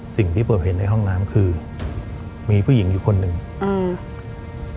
สิ่งที่พบเห็นในห้องน้ำคือมีผู้หญิงอยู่คนหนึ่งอืม